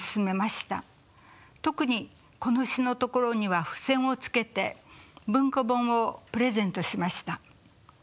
特にこの詩のところには付箋をつけて文庫本をプレゼントしました。